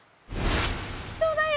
人だよ！